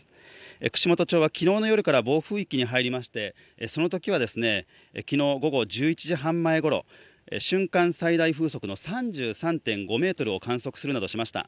串本町は昨日の夜から暴風域に入りましてそのときは、昨日午後１１時半ごろ瞬間最大風速の３３．５メートルを観測するなどしていました。